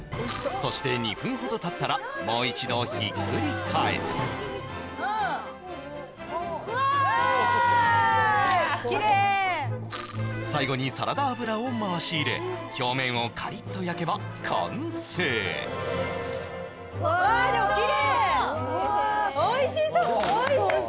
そして２分ほどたったらもう一度ひっくり返すうわうわ綺麗最後にサラダ油を回し入れ表面をカリッと焼けば完成おいしそう！